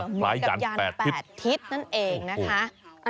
มีกับยัน๘ทิศนั่นเองนะคะ